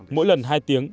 mỗi lần hai tiếng